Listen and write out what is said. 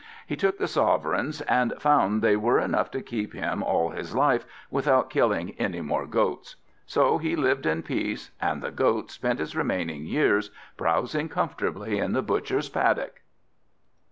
He took the sovereigns, and found they were enough to keep him all his life, without killing any more goats. So he lived in peace, and the Goat spent his remaining years browsing comfortably in the Butcher's paddock.